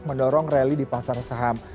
mendorong rally di pasar saham